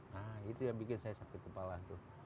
nah itu yang bikin saya sakit kepala tuh